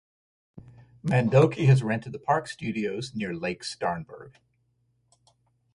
Mandoki has rented the Park Studios near Lake Starnberg.